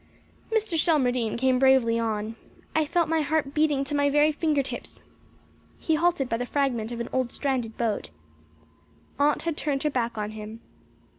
Mr. Shelmardine came bravely on. I felt my heart beating to my very finger tips. He halted by the fragment of an old stranded boat. Aunt had turned her back on him.